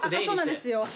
そうなんですよ。